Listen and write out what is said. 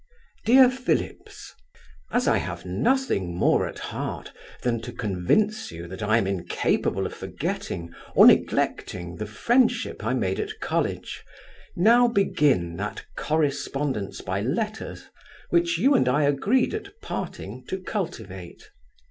DEAR PHILLIPS, As I have nothing more at heart than to convince you I am incapable of forgetting, or neglecting the friendship I made at college, now begin that correspondence by letters, which you and I agreed, at parting, to cultivate.